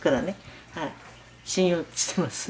信用してます。